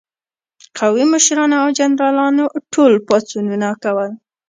قومي مشرانو او جنرالانو ټول پاڅونونه کول.